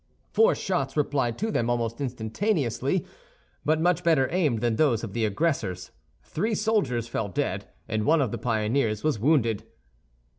Four shots replied to them almost instantaneously, but much better aimed than those of the aggressors; three soldiers fell dead, and one of the pioneers was wounded.